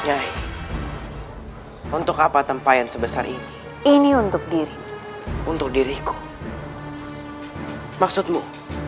hai untuk apa tempayan sebesar ini ini untuk diri untuk diriku maksudmu